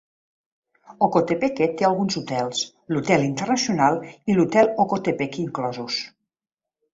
Ocotepeque té alguns hotels, l'hotel Internacional i l'hotel Ocotepeque inclosos.